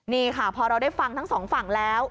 นี่ค่ะพอเราได้ฟังทั้งสองฝั่งแล้ว